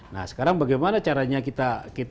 nah sekarang bagaimana caranya kita